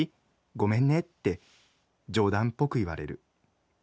ごめんね』って冗談っぽく言われる。